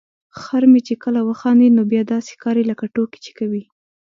خر مې چې کله وخاندي نو بیا داسې ښکاري لکه ټوکې چې کوي.